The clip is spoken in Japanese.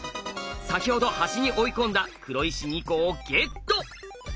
先ほど端に追い込んだ黒石２個をゲット！